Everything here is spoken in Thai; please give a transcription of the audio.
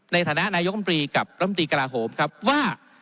ในฐานะนายกรรมตรีกับรัฐมนตรีกระลาโหมครับว่า